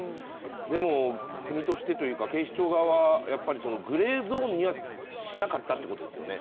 でも、国として、警視庁側はグレーゾーンにはしなかったということですね。